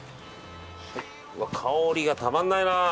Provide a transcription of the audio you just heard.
うわっ香りがたまんないな。